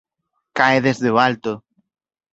Cae desde o alto.